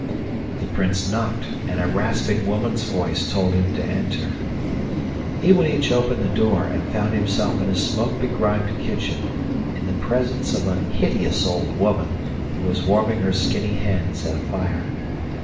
The Prince knocked, and a rasping woman's voice told him to enter. Iwanich opened the door, and found himself in a smoke begrimed kitchen, in the presence of a hideous old woman who was warming her skinny hands at a fire.